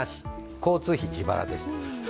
交通費、自腹でした。